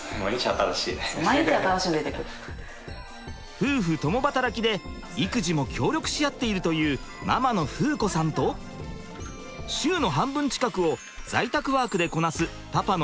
夫婦共働きで育児も協力し合っているというママの風子さんと週の半分近くを在宅ワークでこなすパパの将士さん。